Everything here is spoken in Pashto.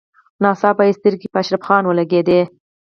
ناڅاپه يې سترګې په اشرف خان ولګېدې.